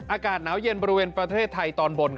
อากาศหนาวเย็นบริเวณประเทศไทยตอนบน